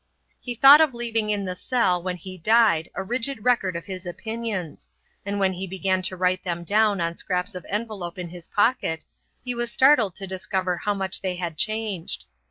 He thought of leaving in the cell when he died a rigid record of his opinions, and when he began to write them down on scraps of envelope in his pocket, he was startled to discover how much they had changed.